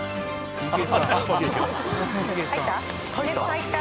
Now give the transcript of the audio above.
入った？